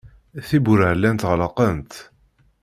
Tiwwura llant ɣelqent.